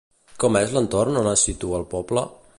Com és l'entorn on es situa el poble?